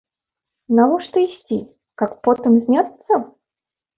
Навошта ісці, каб потым зняцца?